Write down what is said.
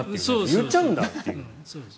言っちゃうんだっていう。